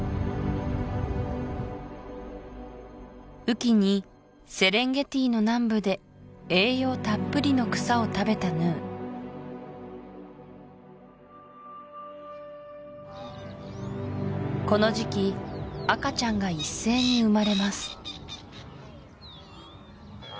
雨季にセレンゲティの南部で栄養たっぷりの草を食べたヌーこの時期赤ちゃんが一斉に生まれます